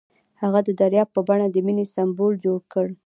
هغه د دریاب په بڼه د مینې سمبول جوړ کړ.